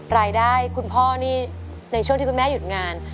รายได้คุณพ่อนี่ในช่วงที่คุณแม่หยุดงาน